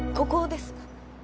ここです。